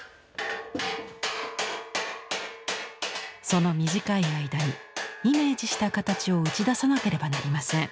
その短い間にイメージした形を打ち出さなければなりません。